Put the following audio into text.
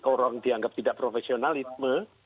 jadi orang yang dianggap tidak profesionalisme